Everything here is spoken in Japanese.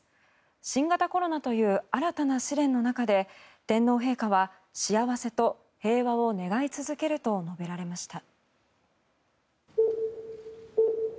新型コロナという新たな試練の中で天皇陛下は幸せと平和を願い続けると述べられました。